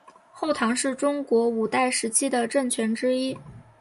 后唐是中国五代时期的政权之一。